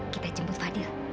kita jemput fadil